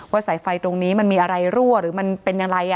สายไฟตรงนี้มันมีอะไรรั่วหรือมันเป็นอย่างไร